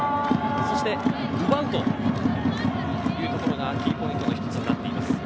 そして奪うというところがキーポイントの一つになっています。